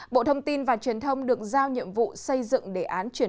bộ thông tin và truyền thông được gọi là nqcp